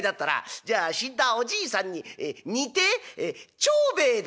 じゃあ『死んだおじいさんに似て長兵衛だ』」。